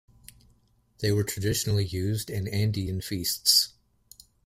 They were traditionally used in Andean feasts.